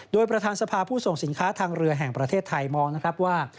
โดยประธานสภาผู้ส่งสินค้าทางเรือแห่งประเทศไทยมองนะครับว่า